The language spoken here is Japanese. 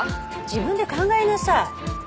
自分で考えなさい。